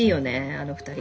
あの２人。